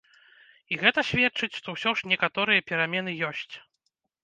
І гэта сведчыць, што ўсё ж некаторыя перамены ёсць.